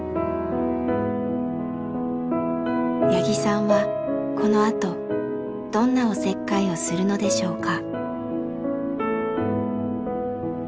八木さんはこのあとどんなおせっかいをするのでしょうか？